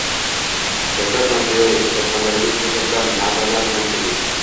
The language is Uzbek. Shavkat Mirziyoyev: Surxondaryoga juda katta marralar bilan keldik